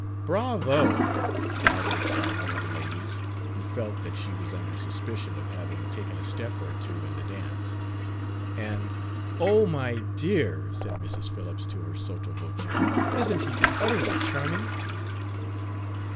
"Bravo!" loudly cried one of the ladies, who felt that she was under suspicion of having taken a step or two in the dance. And, "Oh, my dear," said Mrs. Phillips to her, sotto voce, "isn't he utterly charming!"